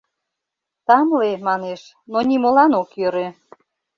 — Тамле, манеш, но нимолан ок йӧрӧ...